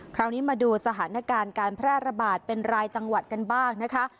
คราวนี้มาดูสถานการณ์การแพร่ระบาดเป็นรายจังหวัดกันบ้างนะคะ